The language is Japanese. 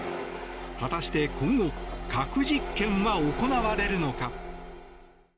果たして今後核実験は行われるのか。